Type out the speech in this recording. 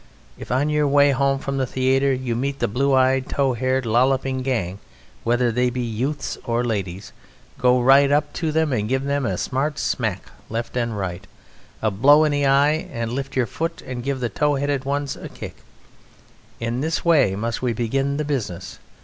If on your way home from the theatre you meet the blue eyed, tow haired, lolloping gang, whether they be youths or ladies, go right up to them and give them a smart smack, left and right, a blow in the eye; and lift your foot and give the tow headed ones a kick. In this way must we begin the business.